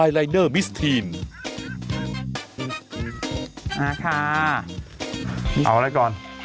อ้าวอะไรก่อน